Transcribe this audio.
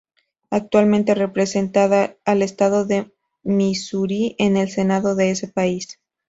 Actualmente representada al estado de Misuri en el Senado de ese país.